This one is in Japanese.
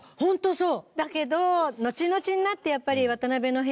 そう。